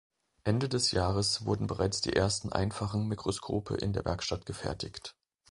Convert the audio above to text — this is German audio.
Ende des Jahres wurden bereits die ersten einfachen Mikroskope in der Werkstatt gefertigt.